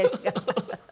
ハハハ！